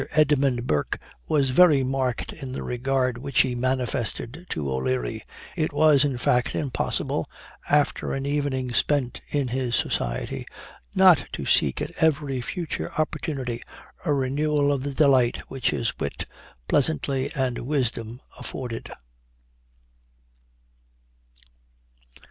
Edmond Burke was very marked in the regard which he manifested to O'Leary. It was, in fact, impossible, after an evening spent in his society, not to seek at every future opportunity a renewal of the delight which his wit, pleasantly, and wisdom afforded.